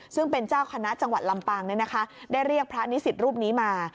ซึ่งเป็นเจ้าคณะจังหวัดลำปางได้เรียกพระนิสิตรูปนี้มา